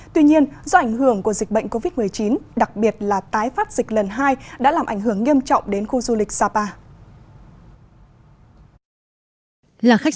tuy nhiên do ảnh hưởng của dịch bệnh covid một mươi chín đặc biệt là tái phát dịch lần hai đã làm ảnh hưởng nghiêm trọng đến khu du lịch sapa